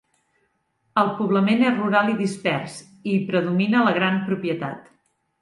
El poblament és rural i dispers, i hi predomina la gran propietat.